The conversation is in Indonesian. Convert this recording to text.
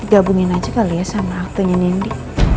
gabungin aja kali ya sama waktunya nindi